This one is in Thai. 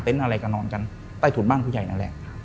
เต็นต์อะไรกันนอนกันใต้ถุนบ้านผู้ใหญ่แหล่ง